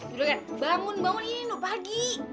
juragan bangun bangun ini loh pagi